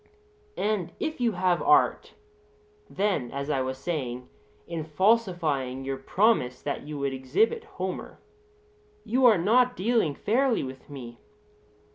And if you have art, then, as I was saying, in falsifying your promise that you would exhibit Homer, you are not dealing fairly with me.